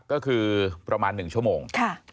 ก็คือประมาณ๑ชั่วโมง